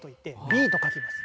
ラ「Ａ」と書きます。